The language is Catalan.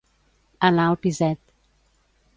Anar al piset.